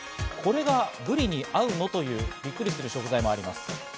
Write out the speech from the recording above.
これがブリに合うのというびっくりする食材もあります。